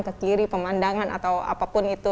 ke kiri pemandangan atau apapun itu